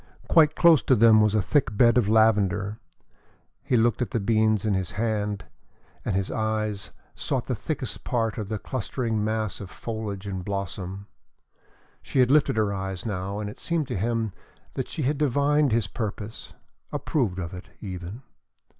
Quite close to them was a thick bed of lavender. He looked at the beans in his hand and his eyes sought the thickest part of the clustering mass of foliage and blossom. She had lifted her eyes now and it seemed to him that she had divined his purpose approved of it, even.